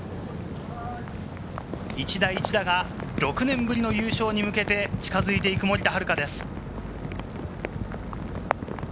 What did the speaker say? １打１打が６年ぶりの優勝に向けて近づいていく森田遥です。